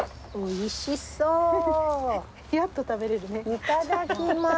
いただきます！